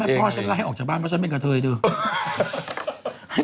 ไม่ไม่พ่อฉันไร้ออกจากบ้านเพราะฉันเป็นกับเธอด้วย